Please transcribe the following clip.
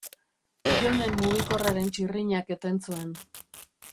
Jonen mugikorraren txirrinak eten zuen.